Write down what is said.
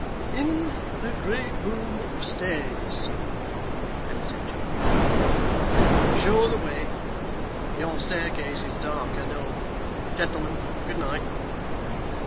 'In the great room upstairs, sir,' answered John. 'Show the way. Your staircase is dark, I know. Gentlemen, good night.